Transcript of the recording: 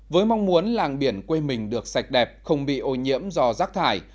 với mong muốn làng biển quê mình được sạch đẹp không bị ô nhiễm do rác thải